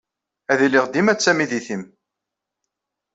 Ad iliɣ dima d tamidit-nnem.